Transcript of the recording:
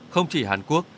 không chỉ hàn quốc